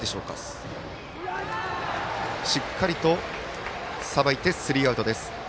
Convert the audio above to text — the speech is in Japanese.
しっかりとさばいてスリーアウトです。